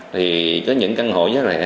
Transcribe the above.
thì có những căn hộ giá rẻ